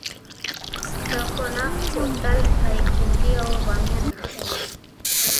د قوناق کوتل دایکنډي او بامیان نښلوي